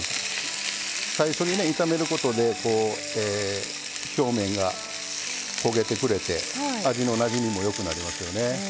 最初にね炒めることで表面が焦げてくれて味のなじみもよくなりますよね。